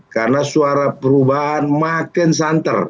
karena suara perubahan makin santer